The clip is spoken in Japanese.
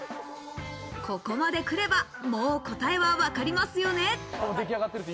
ここまで来れば、もう答えは、わかりますよね？